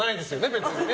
別に。